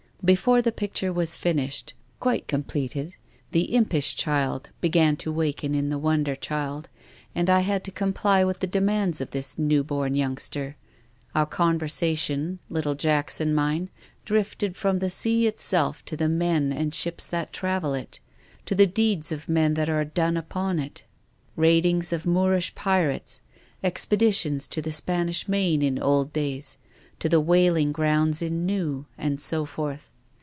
" Before the picture was finished — quite com pleted — the impish child began to waken in the wonder child, and I had to comply with the demands of this new born youngster. Our con versation — little Jack's and mine — drifted from the sea itself to the men and ships that travel it, to the deeds of men that are done upon it ; raidings of Moorish pirates, expeditions to the Spanish Main in old days, to the whaling grounds in new, and so forth.